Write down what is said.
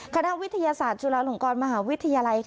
คณะวิทยาศาสตร์จุฬาลงกรมหาวิทยาลัย